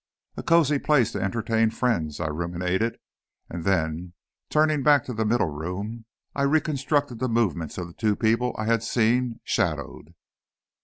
A cozy place to entertain friends, I ruminated, and then, turning back to the middle room, I reconstructed the movements of the two people I had seen shadowed.